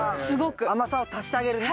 甘さを足してあげるね。